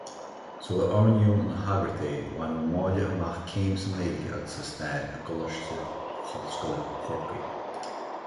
Sular oirníodh ina shagart é, bhain Ó Máille amach céim sa nGaeilge agus sa stair i gColáiste hOllscoile Chorcaí.